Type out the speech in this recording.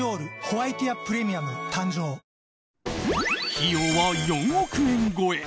費用は４億円超え！